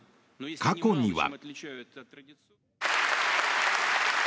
過去には。